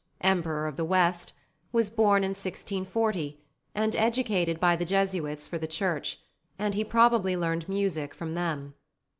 Emperor of the West, was born in 1640, and educated by the Jesuits for the Church, and he probably learned music from them.